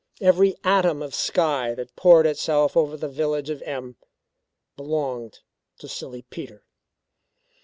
Every atom of sky that poured itself over the village of M belonged to Silly Peter.